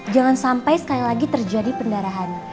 jangan sampai sekali lagi terjadi pendarahan